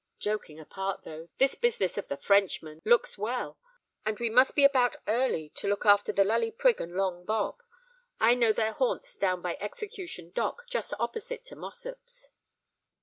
Joking apart, though—this business of the Frenchman's looks well; and we must be about early to look after the Lully Prig and Long Bob. I know their haunts down by Execution Dock, just opposite to Mossop's."